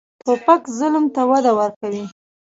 توپک ظلم ته وده ورکوي.